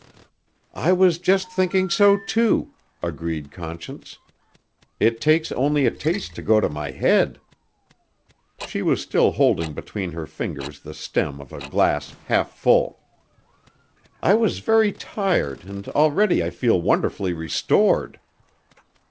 "I was just thinking so, too," agreed Conscience. "It takes only a taste to go to my head." She was still holding between her fingers the stem of a glass half full. "I was very tired and already I feel wonderfully restored."